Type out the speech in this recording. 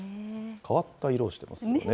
変わった色をしてますよね。